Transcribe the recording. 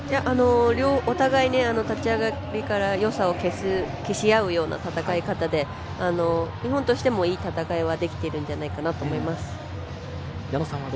お互いに立ち上がりからよさを消しあうような戦い方で日本としても、いい戦いができているんじゃないかなと思います。